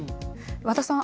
和田さん